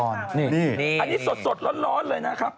อันนี้สดร้อนเลยนะครับ